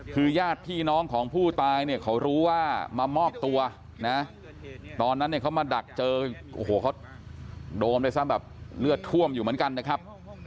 คือญาติพี่น้องของผู้ตายเนี่ยเขารู้ว่ามามอบตัวนะตอนนั้นเนี่ยเขามาดักเจอโอ้โหเขาโดนด้วยซ้ำแบบเลือดท่วมอยู่เหมือนกันนะครับ